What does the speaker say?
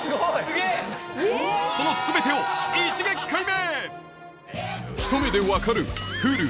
その全てを一撃解明！